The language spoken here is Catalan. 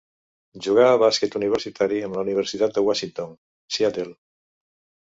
Jugà a bàsquet universitari amb la Universitat de Washington, Seattle.